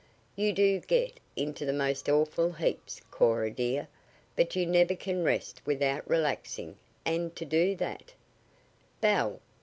"You do get into the most awful heaps, Cora, dear. But you never can rest without relaxing, and to do that " "Belle!"